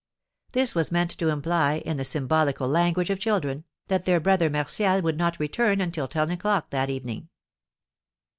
This was meant to imply, in the symbolical language of children, that their brother Martial would not return until ten o'clock that evening.